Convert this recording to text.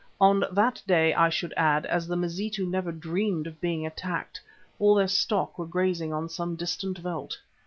On that day, I should add, as the Mazitu never dreamed of being attacked, all their stock were grazing on some distant veldt.